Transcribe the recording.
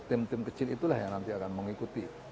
tim tim kecil itulah yang nanti akan mengikuti